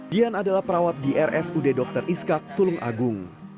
dian adalah perawat di rsud dr iskak tulung agung